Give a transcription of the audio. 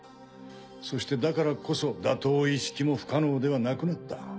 そしてだからこそ打倒イッシキも不可能ではなくなった。